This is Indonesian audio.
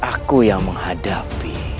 biar aku yang menghadapi